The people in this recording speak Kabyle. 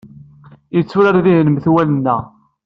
Yetturar dihin metwal-nneɣ.